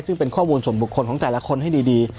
ซึ่งเป็นข้อมูลส่วนบุคคลของแต่ละคนให้ดี